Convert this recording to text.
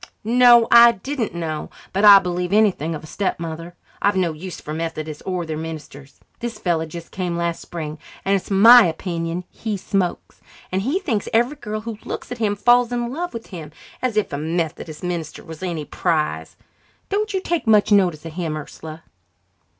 "No, I didn't know, but I'd believe anything of a stepmother. I've no use for Methodists or their ministers. This fellow just came last spring, and it's my opinion he smokes. And he thinks every girl who looks at him falls in love with him as if a Methodist minister was any prize! Don't you take much notice of him, Ursula."